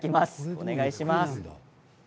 お願いします。